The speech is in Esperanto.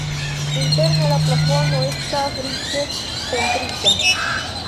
Interne la plafono estas riĉe pentrita.